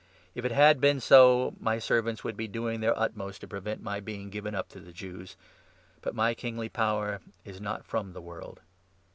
If it had been so, my servants would be doing their utmost to prevent my being given up to the Jews ; but my kingly power is not from the world."